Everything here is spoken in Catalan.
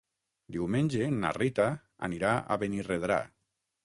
Diumenge na Rita anirà a Benirredrà.